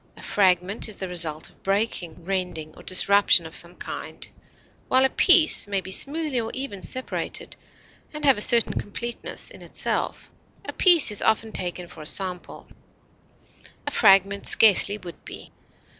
A fragment is the result of breaking, rending, or disruption of some kind, while a piece may be smoothly or evenly separated and have a certain completeness in itself. A piece is often taken for a sample; a fragment scarcely would be.